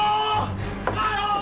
belum luar biar kenalahan